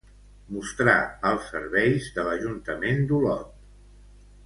Mostrar els serveis de l'Ajuntament d'Olot.